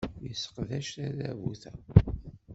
Yesseqdec tadabut-a.